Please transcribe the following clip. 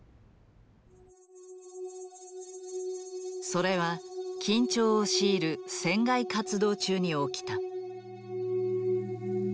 それは緊張を強いる船外活動中に起きた。